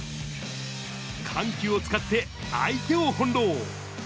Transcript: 緩急を使って相手をほんろう。